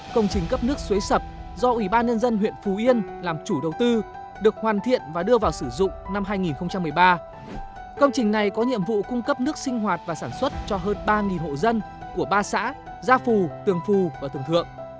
công trình này có nhiệm vụ cung cấp nước sinh hoạt và sản xuất cho hơn ba hộ dân của ba xã gia phù tường phù và tường thượng